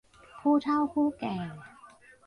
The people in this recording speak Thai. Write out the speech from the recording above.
ผู้เฒ่าผู้แก่